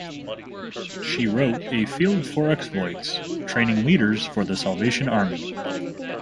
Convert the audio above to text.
She wrote "A Field For Exploits: Training Leaders For The Salvation Army".